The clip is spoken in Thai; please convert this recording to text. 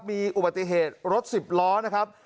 มีอุบัติเหตุรถสิบล้อนะครับ